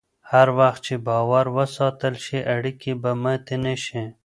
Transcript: هر وخت چې باور وساتل شي، اړیکې به ماتې نه شي.